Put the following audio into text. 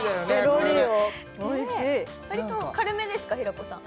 おいしい割と軽めですか平子さん